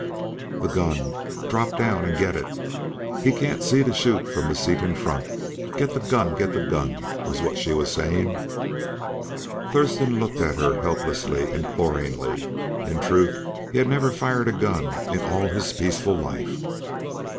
"The gun drop down and get it. He can't see to shoot for the seat in front. Get the gun. Get the gun!" was what she was saying. Thurston looked at her helplessly, imploringly. In truth, he had never fired a gun in all his peaceful life.